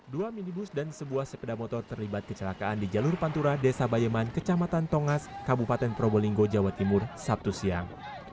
dua minibus dan sebuah sepeda motor terlibat kecelakaan di jalur pantura desa bayeman kecamatan tongas kabupaten probolinggo jawa timur sabtu siang